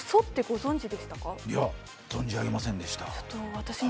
存じ上げませんでした。